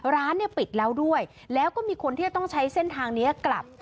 ร้านเนี่ยปิดแล้วด้วยแล้วก็มีคนที่จะต้องใช้เส้นทางนี้กลับ